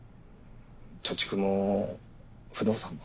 貯蓄も不動産も。